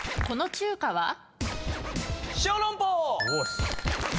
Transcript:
この中華は？